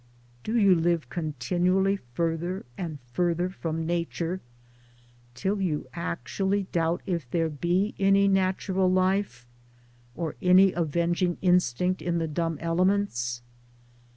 Do you live continually farther and farther from Nature, till you actually doubt if there be any natural life, or any avenging instinct in the dumb elements